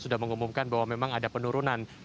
sudah mengumumkan bahwa memang ada penurunan